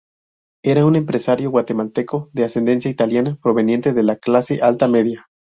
Era un empresario guatemalteco de ascendencia italiana, proveniente de la clase alta-media.